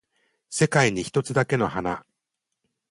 世界に一つだけの花